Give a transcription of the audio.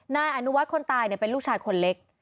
นายอนุวัฒน์คนตายเป็นลูกชายคนเล็ก